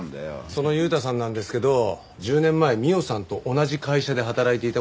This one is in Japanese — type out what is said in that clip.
その悠太さんなんですけど１０年前美緒さんと同じ会社で働いていた事がわかりました。